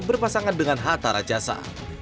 berpasangan dengan hatta rajasa